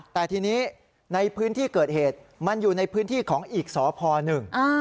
แต่ทีนี้ในพื้นที่เกิดเหตุมันอยู่ในพื้นที่ของอีกสพหนึ่ง